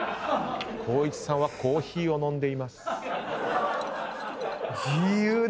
光一さんはコーヒーを飲んでいます。